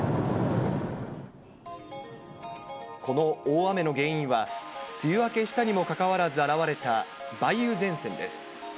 この大雨の原因は、梅雨明けしたにもかかわらず現れた梅雨前線です。